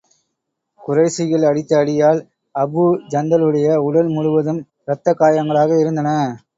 குறைஷிகள் அடித்த அடியால், அபூ ஜந்தலுடைய உடல் முழுவதும் இரத்தக் காயங்களாக இருந்தன.